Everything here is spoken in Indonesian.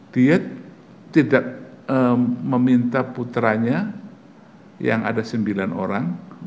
dia tidak meminta putranya yang ada sembilan orang